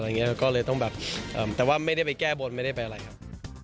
อะไรอย่างนี้ก็เลยต้องแบบแต่ว่าไม่ได้ไปแก้บทไม่ได้ไปอะไรครับ